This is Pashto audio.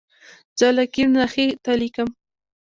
زه له کیڼ نه ښي ته لیکم.